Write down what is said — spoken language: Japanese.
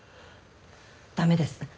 駄目です。